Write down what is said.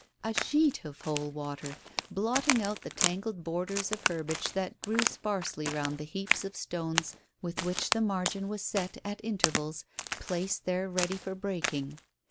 A sheet of whole water, blotting out the tangled borders of herbage that grew sparsely round the heaps of stones with which the margin was set at in tervals, placed there ready for breaking.